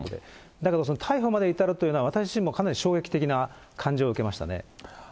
だけど逮捕まで至るというのは、私自身も衝撃的な感じを受けましたね。